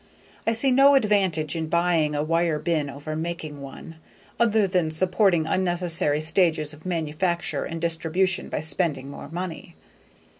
I see no advantage in buying a wire bin over making one, other than supporting unnecessary stages of manufacture and distribution by spending more money.